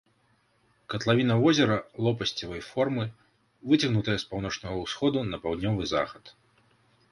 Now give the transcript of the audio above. Катлавіна возера лопасцевай формы, выцягнутая з паўночнага ўсходу на паўднёвы захад.